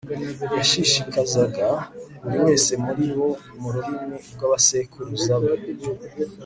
yashishikazaga buri wese muri bo mu rurimi rw'abasekuruza be